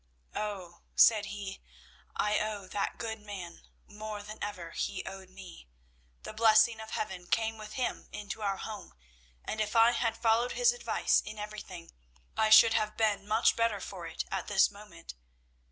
"Oh," said he, "I owe that good man more than ever he owed me. The blessing of heaven came with him into our home, and if I had followed his advice in everything, I should have been much better for it at this moment.